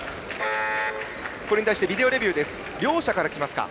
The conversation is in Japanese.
これに対してビデオレビューです。